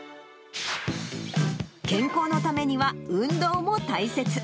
健康のためには運動も大切。